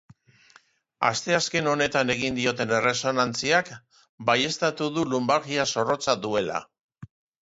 Asteazken honetan egin dioten erresonantziak baieztatu du, lunbalgia zorrotza duela.